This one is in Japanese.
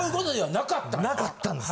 なかったんです。